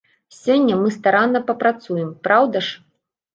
Сёння мы старанна папрацуем, праўда ж?